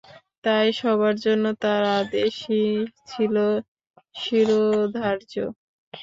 তাই সবার জন্য তার আদেশই ছিল শিরোধার্য।